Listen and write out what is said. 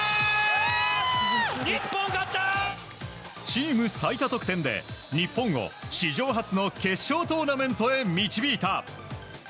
チーム最多得点で日本を史上初の決勝トーナメントに導いた。